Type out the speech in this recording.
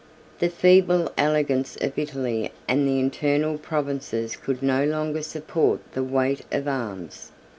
The feeble elegance of Italy and the internal provinces could no longer support the weight of arms.